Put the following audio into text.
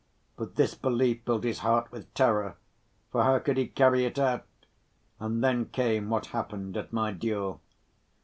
But this belief filled his heart with terror, for how could he carry it out? And then came what happened at my duel.